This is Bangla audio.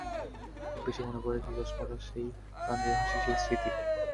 খুব বেশি মনে পড়ে সেই চশমাটা, সেই প্রাঞ্জল হাসি, সেই স্মৃতি।